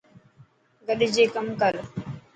گڏجي ڪم ڪر.